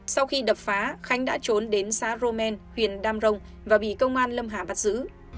sau khi đập phá khánh đã trốn đến xã romen huyện đam rồng và bị công an lâm hà bắt giữ